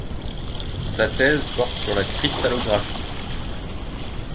Sa thèse porte sur la cristallographie.